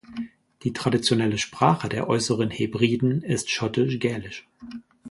Die traditionelle Sprache der Äußeren Hebriden ist Schottisch-Gälisch.